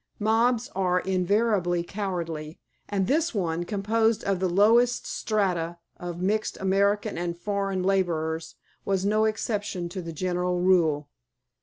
Mobs are invariably cowardly, and this one, composed of the lowest strata of mixed American and foreign laborers, was no exception to the general rule.